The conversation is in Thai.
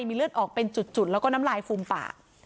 มีเลือดออกเป็นจุดแล้วก็น้ำลายฟูมปาก